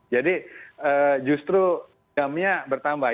jadi justru jamnya bertambah